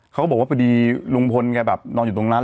เขาบอกว่าพอดีลุงพลแกแบบนอนอยู่ตรงนั้น